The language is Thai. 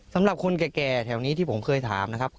สำหรับคนแก่แถวนี้ที่ผมเคยถามนะครับ